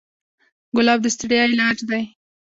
ګلاب د ستړیا علاج دی.